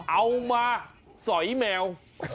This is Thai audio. เอามาสอยแมว